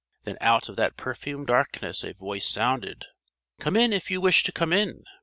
Then out of that perfumed darkness a voice sounded: "Come in if you wish to come in!"